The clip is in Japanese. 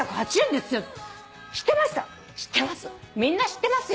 「知ってます。